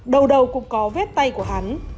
đầu đầu cũng có vết tay của hắn